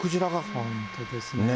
本当ですね。